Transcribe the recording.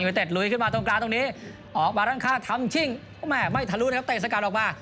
อยู่ในเต็ปลุยขึ้นมาตรงกลางตรงนี้ออกมาร่างคาธรรมชิงไม่ทะลุนะครับเตะสกัดออกมา